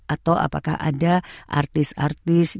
atau apakah ada artis artis